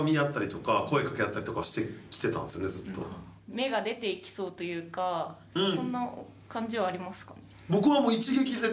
芽が出ていきそうというかそんな感じはありますか？